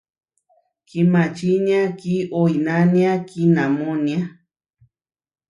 Kimačínia kioinánia kiinamónia.